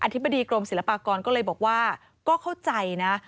ธิบดีกรมศิลปากรก็เลยบอกว่าก็เข้าใจนะ